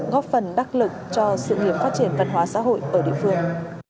góp phần đắc lực cho sự nghiệp phát triển văn hóa xã hội ở địa phương